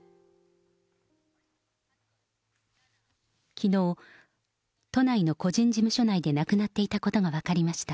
きのう、都内の個人事務所内で亡くなっていたことが分かりました。